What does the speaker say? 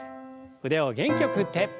腕を元気よく振って。